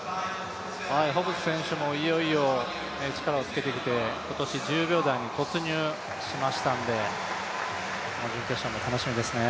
ホブス選手もいよいよ力をつけてきて今年１０秒台に突入しましたので、準決勝も楽しみですね。